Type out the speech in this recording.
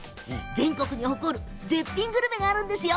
全国に誇る絶品グルメがあるんですよ。